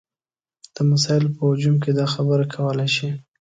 د مسایلو په هجوم کې دا خبره کولی شي.